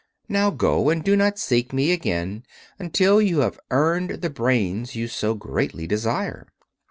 Now go, and do not seek me again until you have earned the brains you so greatly desire."